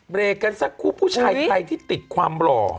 เบรกกันสักครู่ผู้ชายไทยที่ติดความหล่อ